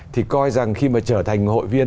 thì coi rằng khi mà trở thành hội viên